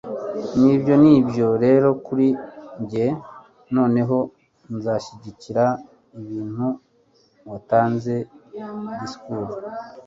nibyo, nibyo rero kuri njye. noneho nzashyikiriza ibintu uwatanze disikuru